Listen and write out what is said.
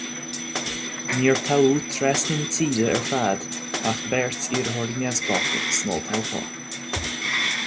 Níor toghadh trasna na tíre ar fad ach beirt iarrthóirí neamhspleácha san olltoghchán.